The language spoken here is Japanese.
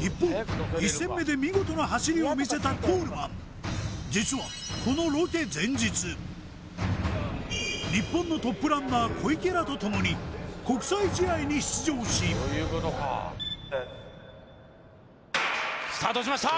一方１戦目で見事な走りをみせたコールマン実はこの日本のトップランナー小池らとともに国際試合に出場しＳｅｔスタートしました